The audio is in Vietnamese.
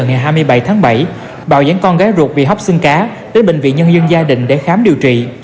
ngày hai mươi bảy tháng bảy bảo dẫn con gái ruột bị hóc xương cá đến bệnh viện nhân dân gia đình để khám điều trị